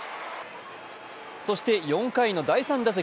そして４回の第３打席。